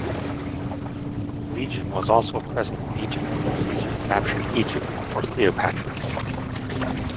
The legion was also present in Egypt, when Caesar captured Egypt for Cleopatra.